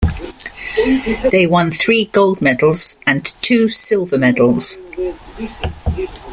They won three gold medals and two Silver medals.